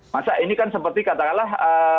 masa ini kan seperti katakanlah